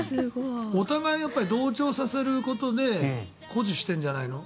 お互いに同調させることで誇示しているんじゃないの？